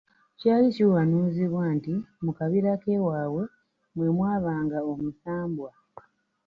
Kyali kiwanuuzibwa nti mu kabira k’ewaabwe mwe mwabanga omusambwa.